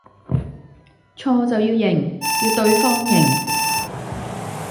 錯就要認，要對方認